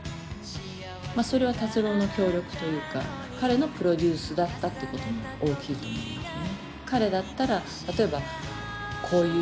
それは達郎の協力というか彼のプロデュースだったってことも大きいと思いますね。